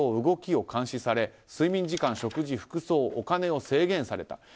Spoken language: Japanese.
動きを監視され睡眠時間、食事、服装、お金を制限された。